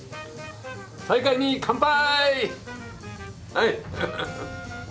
再会に乾杯！